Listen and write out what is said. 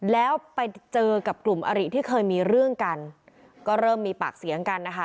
แล้วไปเจอกับกลุ่มอริที่เคยมีเรื่องกันก็เริ่มมีปากเสียงกันนะคะ